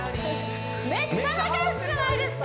めっちゃ仲よしじゃないですか！